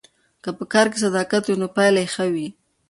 که په کار کې صداقت وي نو پایله یې ښه وي.